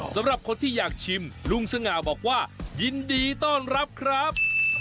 สำหรับคนที่อยากชิมลุงสง่าบอกว่ายินดีต้อนรับครับ